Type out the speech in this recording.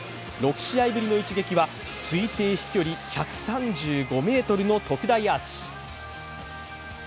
６試合ぶりの一撃は推定飛距離１３５ｍの特大アーチ。